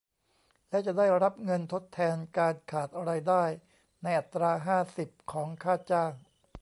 และจะได้รับเงินทดแทนการขาดรายได้ในอัตรา ห้าสิบ ของค่าจ้าง